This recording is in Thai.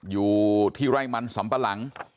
อยู่ที่ไร่มันสำปะหลัง